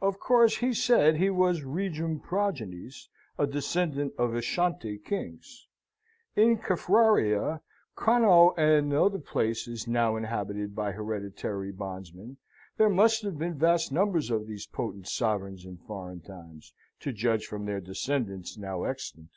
Of course he said he was regum progenies, a descendant of Ashantee kings. In Caffraria, Connaught and other places now inhabited by hereditary bondsmen, there must have been vast numbers of these potent sovereigns in former times, to judge from their descendants now extant.